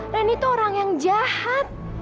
nandi tuh orang yang jahat